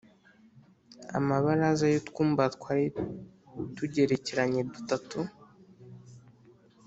Amabaraza y utwumba twari tugerekeranye dutatu